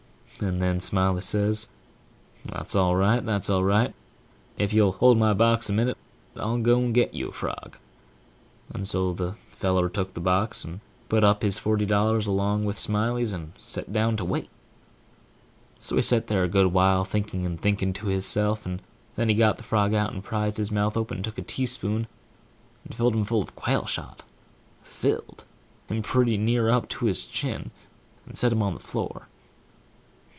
div> And then Smiley says, "That's all right&#8212that's all right&#8212if you'll hold my box a minute, I'll go and get you a frog." And so the feller took the box, and put up his forty dollars along with Smiley's and set down to wait. So he set there a good while thinking and thinking to hisself, and then he got the frog out and prized his mouth open and took a teaspoon and filled him full of quail shot&#8212filled him pretty near up to his chin&#8212and set him on the floor.